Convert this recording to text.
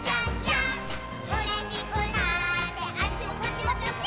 「うれしくなってあっちもこっちもぴょぴょーん」